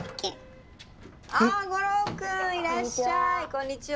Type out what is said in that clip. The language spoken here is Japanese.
こんにちは。